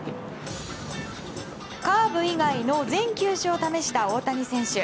カーブ以外の全球種を試した大谷選手。